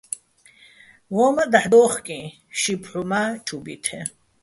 ვო́მაჸ დაჰ̦ დო́ხკიჼ, ში ფჰ̦უ მა́ ჩუ ბითეჼ,